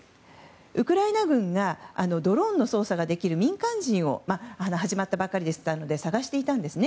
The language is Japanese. ウクライナ軍がドローンの操作ができる始まったばかりでしたので民間人を探していたんですね。